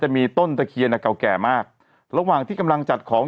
มีต้นตะเคียนอ่ะเก่าแก่มากระหว่างที่กำลังจัดของ